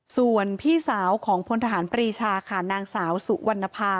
ส่วนพี่สาวของพลทหารปรีชาค่ะนางสาวสุวรรณภา